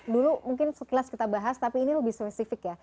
dulu mungkin sekilas kita bahas tapi ini lebih spesifik ya